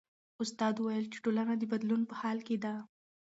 استاد وویل چې ټولنه د بدلون په حال کې ده.